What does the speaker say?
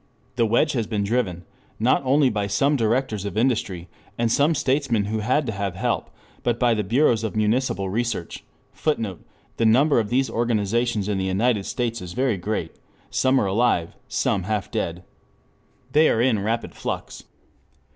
The wedge has been driven, not only by some directors of industry and some statesmen who had to have help, but by the bureaus of municipal research, [Footnote: The number of these organizations in the United States is very great. Some are alive, some half dead. They are in rapid flux.